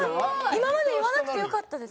今まで言わなくてよかったです。